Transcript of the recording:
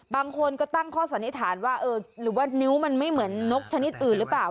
บางคนก็ตั้งข้อสันนิษฐานว่าเออหรือว่านิ้วมันไม่เหมือนนกชนิดอื่นหรือเปล่า